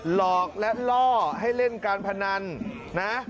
หลอกและล่อให้เล่นการพนันนะ